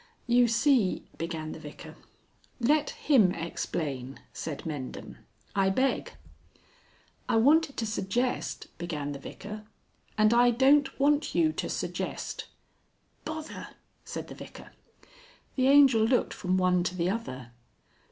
"You see," began the Vicar. "Let him explain," said Mendham; "I beg." "I wanted to suggest," began the Vicar. "And I don't want you to suggest." "Bother!" said the Vicar. The Angel looked from one to the other.